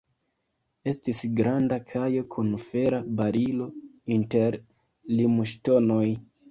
Estis granda kajo kun fera barilo inter limŝtonoj.